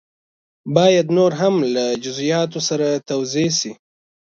باید نور هم له جزیاتو سره توضیح شي.